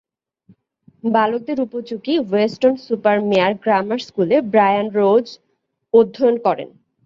বালকদের উপযোগী Weston super Mare grammar স্কুলে ব্রায়ান রোজ অধ্যয়ন করেন।